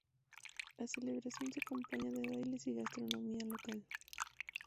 La celebración se acompaña de bailes y gastronomía local.